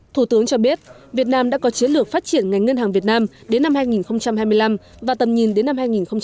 thủ tướng cho biết việt nam đã có chiến lược phát triển ngành ngân hàng việt nam đến năm hai nghìn hai mươi năm và tầm nhìn đến năm hai nghìn ba mươi